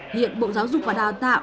hiện bộ giáo dục và đào tạo